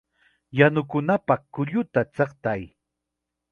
¡Yanukunapaq kulluta chiqtay!